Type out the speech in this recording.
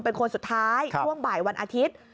เป็นคนสุดท้ายช่วงบ่ายวันอาทิตย์